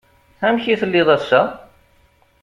Amek i telliḍ ass-a?